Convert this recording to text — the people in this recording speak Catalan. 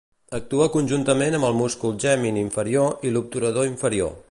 Actua conjuntament amb el múscul gemin inferior i l'obturador inferior.